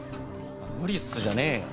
「無理っす」じゃねえよ。